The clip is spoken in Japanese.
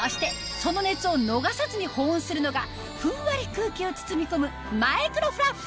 その熱を逃さずに保温するのがふんわり空気を包み込む・さぁ